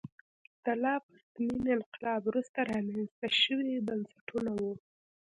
دا له پرتمین انقلاب وروسته رامنځته شوي بنسټونه وو.